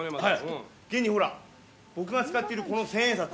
現にほら僕が使ってるこの千円札。